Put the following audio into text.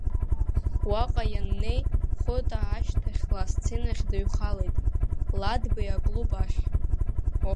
Уаҟа ианнеи, Хәыта ашьҭахьала асценахь дыҩхалеит, Ладбеи аклуб ахь.